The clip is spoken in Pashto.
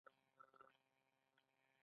په پایله کې به یې هر څه په ګډه ویشل.